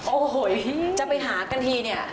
โอ้โหยจะไปหากันที